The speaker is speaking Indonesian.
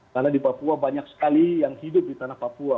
karena di papua banyak sekali yang hidup di tanah papua